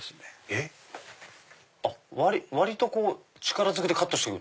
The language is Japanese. えっ⁉割と力ずくでカットしていく？